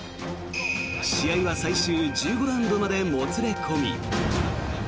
試合は、最終１５ラウンドまでもつれ込み。